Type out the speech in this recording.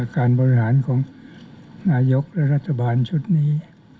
การบริหารของนายกและรัฐบาลชุดนี้